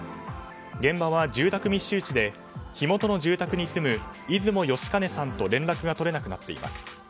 現場は住宅密集地で火元の住宅に住む出雲良金さんと連絡が取れなくなっています。